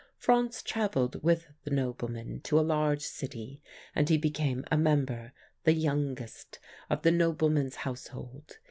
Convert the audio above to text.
"Franz travelled with the nobleman to a large city, and he became a member the youngest of the nobleman's household.